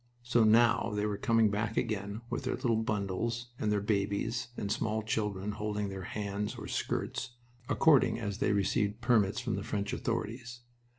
So now they were coming back again with their little bundles and their babies and small children holding their hands or skirts, according as they had received permits from the French authorities.